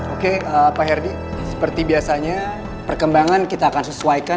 oke pak herdy seperti biasanya perkembangan kita akan sesuaikan